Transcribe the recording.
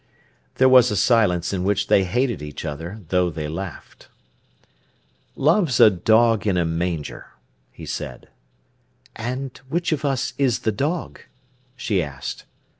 There was a silence in which they hated each other, though they laughed. "Love's a dog in a manger," he said. "And which of us is the dog?" she asked.